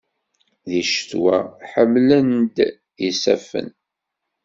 Di ccetwa, ḥemmlen-d yisaffen.